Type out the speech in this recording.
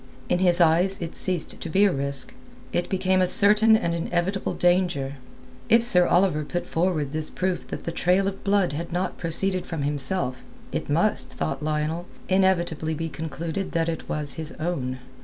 In his eyes it ceased to be a risk; it became a certain and inevitable danger. If Sir Oliver put forward this proof that the trail of blood had not proceeded from himself, it must, thought Lionel, inevitably be concluded that it was his own.